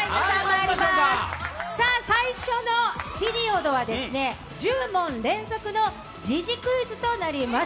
最初のピリオドは１０問連続の時事クイズとなります。